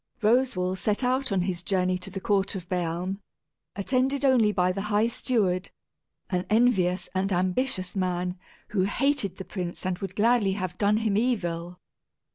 Roswal set out on his journey to the court of Bealm, attended only by the high steward, an envious and ambitious man, who hated the prince and would gladly have done him evil.